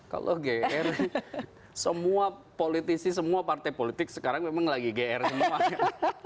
kalau gr semua politisi semua partai politik sekarang memang lagi gr semuanya